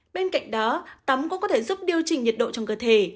bên cạnh đó tắm cũng có thể giúp điều chỉnh nhiệt độ trong cơ thể